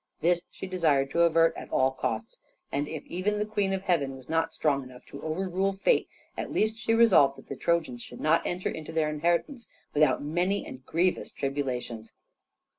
This she desired to avert at all costs, and if even the queen of heaven was not strong enough to overrule fate, at least she resolved that the Trojans should not enter into their inheritance without many and grievous tribulations.